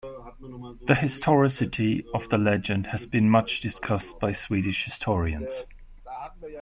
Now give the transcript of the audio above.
The historicity of the legend has been much-discussed by Swedish historians.